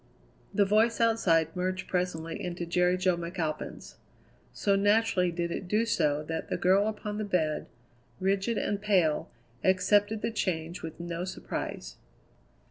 The voice outside merged presently into Jerry Jo McAlpin's. So naturally did it do so that the girl upon the bed, rigid and pale, accepted the change with no surprise.